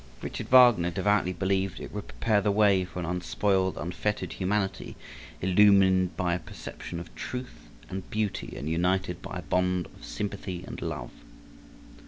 Richard Wagner devoutly believed it would prepare the way for an unspoiled, unfettered humanity, illumined by a perception of Truth and Beauty and united by a bond of sympathy and love.